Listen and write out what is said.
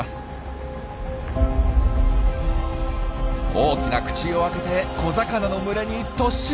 大きな口を開けて小魚の群れに突進。